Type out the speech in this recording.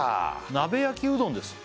鍋焼きうどんです